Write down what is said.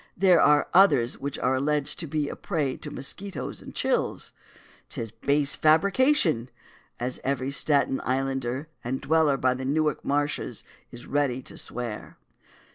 There are others which are alleged to be a prey to mosquitoes and chills. 'Tis a base fabrication, as every Staten Islander and dweller by the Newark marshes is ready to swear.